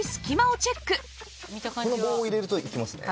この棒を入れるといきますね。